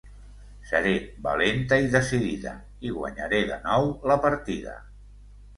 Seré valenta i decidida i guanyaré de nou la partida.